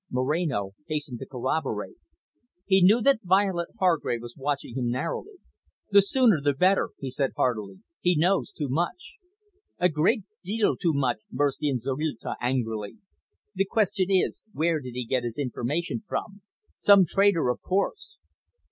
Moreno hastened to corroborate. He knew that Violet Hargrave was watching him narrowly. "The sooner the better," he said heartily. "He knows too much." "A great deal too much!" burst in Zorrilta angrily. "The question is, where did he get his information from? Some traitor, of course."